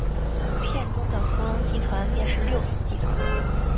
片中的龙福集团便是六福集团。